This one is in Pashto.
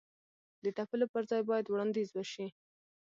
د تپلو پر ځای باید وړاندیز وشي.